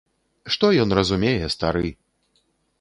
Што ён разумее, стары?